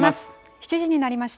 ７時になりました。